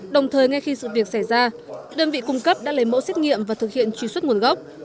đồng thời ngay khi sự việc xảy ra đơn vị cung cấp đã lấy mẫu xét nghiệm và thực hiện truy xuất nguồn gốc